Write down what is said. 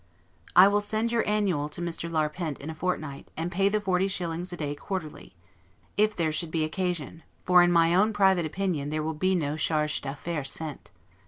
I will send your annual to Mr. Larpent, in a fortnight, and pay the forty shillings a day quarterly, if there should be occasion; for, in my own private opinion, there will be no 'Charge d'Affaires' sent.